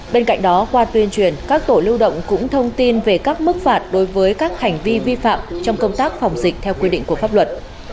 bên cạnh đó qua tuyên truyền các tổ lưu động cũng thông tin về các mức phạt đối với các hành vi vi phạm trong công tác phòng dịch theo quy định của pháp luật